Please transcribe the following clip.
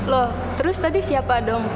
loh terus tadi siapa dong